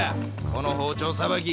この包丁さばき